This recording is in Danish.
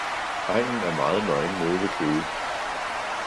Egnen er meget nøgen nede ved Køge.